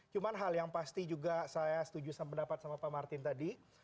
cuma hal yang pasti juga saya setuju pendapat sama pak martin tadi